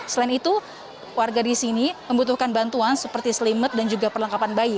selain itu warga di sini membutuhkan bantuan seperti selimut dan juga perlengkapan bayi